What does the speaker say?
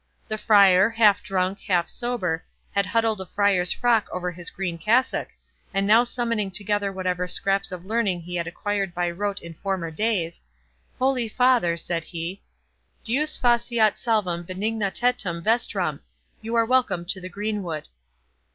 The Friar, half drunk, half sober, had huddled a friar's frock over his green cassock, and now summoning together whatever scraps of learning he had acquired by rote in former days, "Holy father," said he, "'Deus faciat salvam benignitatem vestram'—You are welcome to the greenwood."